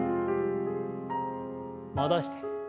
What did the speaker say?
戻して。